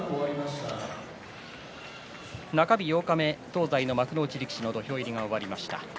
中日八日目、東西の幕内力士の土俵入りが終わりました。